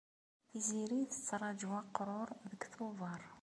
Tiziri tettraǧu aqrur deg Tubeṛ.